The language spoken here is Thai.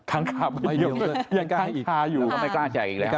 ครั้งตามด้วยยังทาอยู่และก็ไม่กล้าจ่ายอีกนะครับ